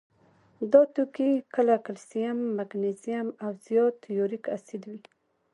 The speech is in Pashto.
دا توکي کله کلسیم، مګنیزیم او زیات یوریک اسید وي.